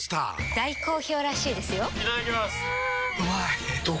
大好評らしいですよんうまい！